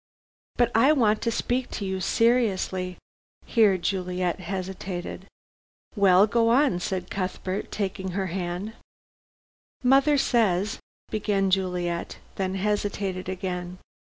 But I want to speak to you seriously " here Juliet hesitated. "Well, go on," said Cuthbert, taking her hand. "Mother says " began Juliet, then hesitated again.